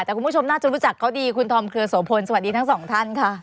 แต่คุณผู้ชมน่าจะรู้จักเขาดีคุณธอมเครือโสพลสวัสดีทั้งสองท่านค่ะ